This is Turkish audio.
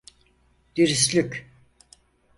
Dürüstlük.